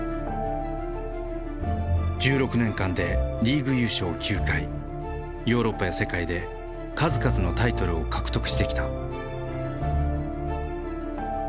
１６年間でリーグ優勝９回ヨーロッパや世界で数々のタイトルを獲得してきた。